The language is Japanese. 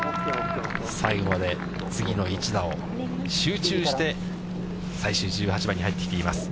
最後まで次の一打を集中して、最終１８番に入ってきています。